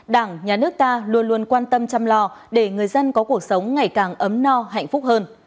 đảng nhà nước ta luôn luôn quan tâm chăm lo để người dân có cuộc sống ngày càng ấm no hạnh phúc hơn